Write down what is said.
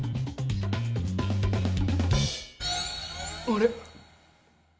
あれ？